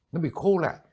nó bị khô lại